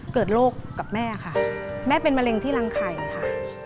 เกิดโรคกับแม่ค่ะแม่เป็นมะเร็งที่รังไข่ค่ะ